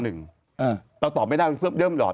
เราตอบไม่ได้เพราะเริ่มหยอด